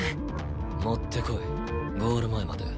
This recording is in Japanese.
持ってこいゴール前まで。